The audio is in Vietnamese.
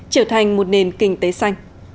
trở thành một nền kinh tế xanh